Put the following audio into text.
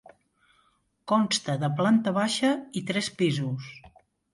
Consta de planta baixa i tres pisos.